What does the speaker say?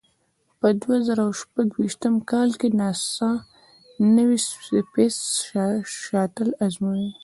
په دوه زره او شپږ ویشتم کال کې ناسا نوې سپېس شاتل ازموي.